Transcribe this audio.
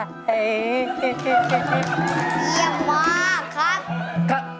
เยี่ยมมากครับ